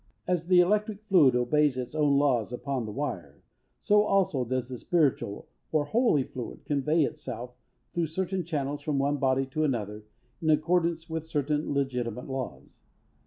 As the electric fluid obeys its own laws upon the wire, so, also, does the spiritual or holy fluid convey itself, through certain channels, from one body to another, in accordance with certain legitimate laws.